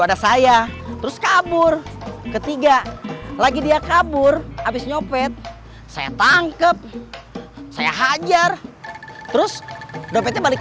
pada saya terus kabur ketiga lagi dia kabur habis nyopet saya tangkep saya hajar terus dompetnya balik